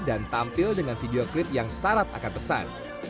dan tampil dengan video klip yang syarat akan pesan